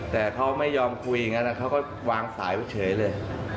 แต่เขาไม่ยอมคุยอย่างนั้นเขาก็วางสายไปเฉยเลย